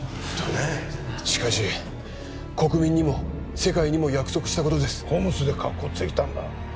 しかし国民にも世界にも約束したことですＣＯＭＳで格好ついたんだ